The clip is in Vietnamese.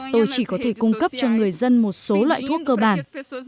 tôi chỉ có thể cung cấp cho người dân một số loại thuốc cơ bản